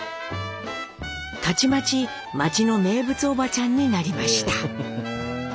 たちまち町の名物おばちゃんになりました。